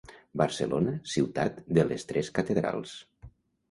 Barcelona, ciutat de les tres catedrals.